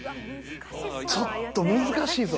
ちょっと難しいぞ。